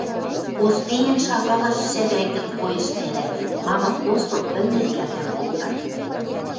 поспеен шагалаш шӓдӓнгӹм коэштӓрӓ, мамык постол пӹл неркӓвлӓм покта.